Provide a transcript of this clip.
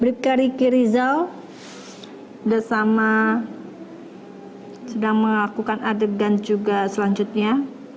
bripka ricky rizal sudah sama sedang melakukan adegan juga selanjutnya